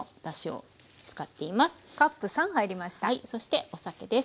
そしてお酒です。